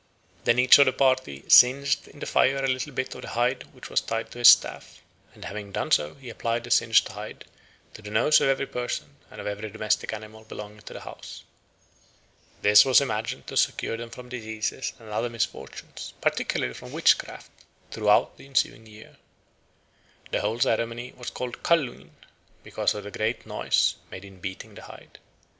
Then each of the party singed in the fire a little bit of the hide which was tied to his staff; and having done so he applied the singed hide to the nose of every person and of every domestic animal belonging to the house. This was imagined to secure them from diseases and other misfortunes, particularly from witchcraft, throughout the ensuing year. The whole ceremony was called calluinn because of the great noise made in beating the hide.